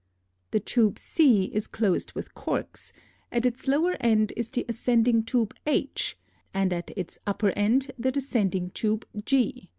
The tube C is closed with corks, at its lower end is the ascending tube h, and at its upper end the descending tube g.